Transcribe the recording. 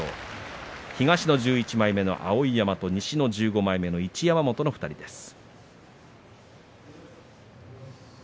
東の１１枚目の碧山と西の１５枚目の一山本の２人です。